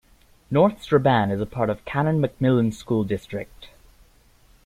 North Strabane is a part of Canon-McMillan School District.